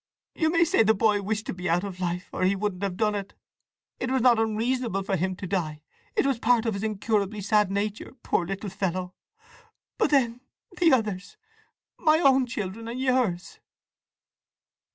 You may say the boy wished to be out of life, or he wouldn't have done it. It was not unreasonable for him to die: it was part of his incurably sad nature, poor little fellow! But then the others—my own children and yours!"